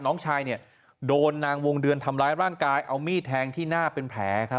น้องชายเนี่ยโดนนางวงเดือนทำร้ายร่างกายเอามีดแทงที่หน้าเป็นแผลครับ